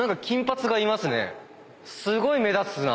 すごい目立つな。